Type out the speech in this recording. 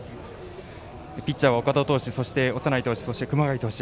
ピッチャーは岡田投手長内投手そして熊谷投手